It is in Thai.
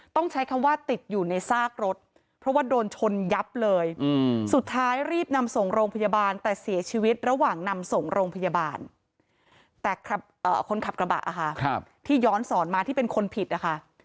แต่คนขับกระบะที่ย้อนสอนมาที่เป็นคนผิดนะคะ